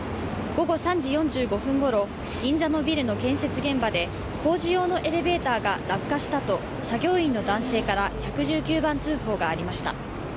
午後３時４５分ごろ、銀座のビルの建設現場で工事用のエレベーターが落下したと作業員の男性から１１９番通報がありました。